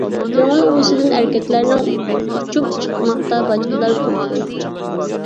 كۆڭۈل ئۇۋىسىدىن ئەركەكلەرنىڭ، ئۇچۇپ چىقماقتا باچكىلار پۇر-پۇر.